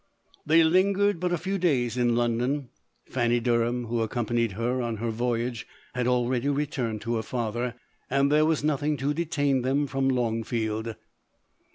They lingered but a few days in London. Fanny Derham, who accompanied her on her voyage, had already returned to her father, and there was nothing to detain them from Lonjr field.